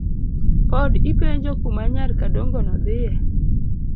Pod ipenjo kuma nyar kodongo no dhie.